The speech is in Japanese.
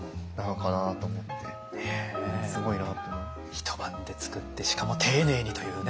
一晩で作ってしかも丁寧にというね。